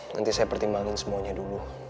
nanti saya pertimbangkan semuanya dulu